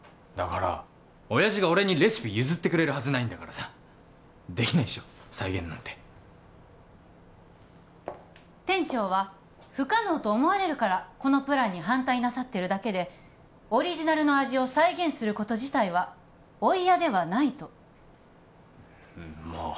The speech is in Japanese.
だから親父が俺にレシピ譲ってくれるはずないんだからさできないっしょ再現なんて店長は不可能と思われるからこのプランに反対なさってるだけでオリジナルの味を再現すること自体はお嫌ではないとうんま